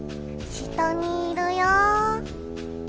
下にいるよ。